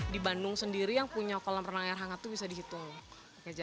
di bandung sendiri yang punya kolam renang air hangat itu bisa dihitung